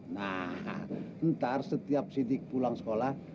nah ntar setiap sidik pulang sekolah